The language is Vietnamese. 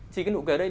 thì cái nụ cười ở đây